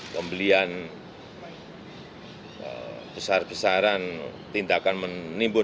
pembelian besar besaran tindakan menimbun